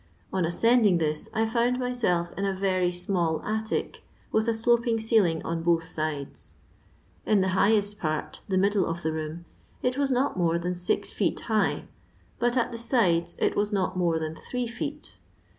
On ascending this I found myself in a very small attic, with a sloping ceiling on both sides. In the highest part, the middle of the room, it was not more than six feet high, but at the sides it was not more than three feet.